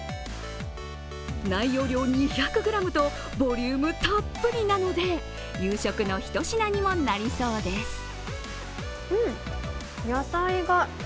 内容量２００ｇとボリュームたっぷりなので夕食のひと品にもなりそうです。